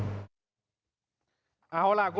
เข้าใจคุณครูไหมคะ